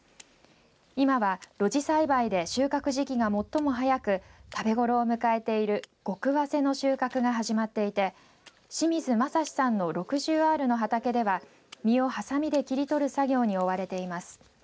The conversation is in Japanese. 今は露地栽培で収穫時期が最も早く食べ頃を迎えている極わせの収穫が始まっていて清水正嗣さんの６０アールの畑では実をはさみで切り取る作業に追われています。